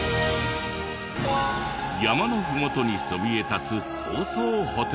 山のふもとにそびえ立つ高層ホテルも。